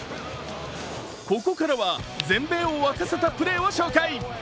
ここからは全米を沸かせたプレーをご紹介。